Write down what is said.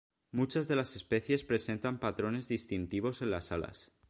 Muchas de las especies presentan patrones distintivos en las alas.